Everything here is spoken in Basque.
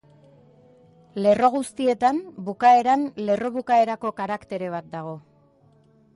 Lerro guztietan bukaeran lerro-bukaerako karaktere bat dago.